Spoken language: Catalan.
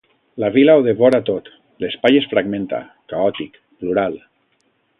La vila ho devora tot, l'espai es fragmenta, caòtic, plural.